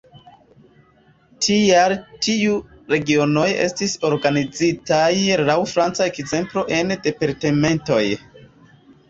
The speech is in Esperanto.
Tial tiu regionoj estis organizitaj laŭ franca ekzemplo en departementoj.